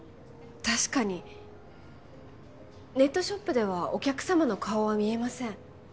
確かにネットショップではお客様の顔は見えません